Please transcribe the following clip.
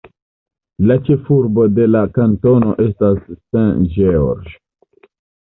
La ĉefurbo de la kantono estas St. George.